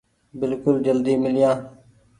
بلڪل جلدي ميليآن